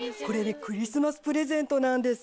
クリスマスプレゼントなんです。